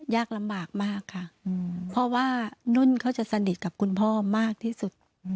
ยากลำบากมากค่ะเพราะว่านุ่นเขาจะสนิทกับคุณพ่อมากที่สุด